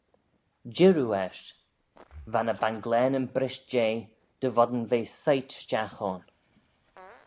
Jir oo eisht, Va ny banglaneyn brisht jeh, dy voddin ve soit stiagh ayn.